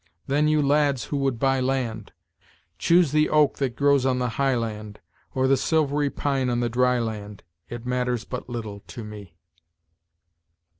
then, you lads who would buy land; Choose the oak that grows on the high land, or the silvery pine on the dry land, it matters but little to me."